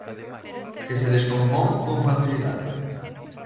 Que se descompón con facilidade.